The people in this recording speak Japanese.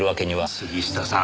杉下さん